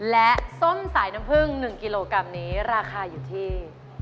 และส้มสายน้ำผึ้ง๑กิโลกรัมนี้ราคาอยู่ที่